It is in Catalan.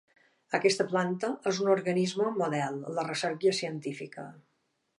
Aquesta planta és un organisme model en la recerca científica.